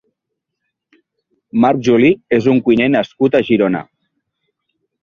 Marc Joli és un cuiner nascut a Girona.